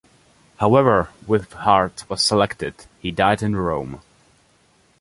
However Wighard was selected, he died in Rome.